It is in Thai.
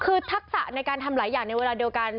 คือทักษะในการทำหลายอย่างในเวลาเดียวกัน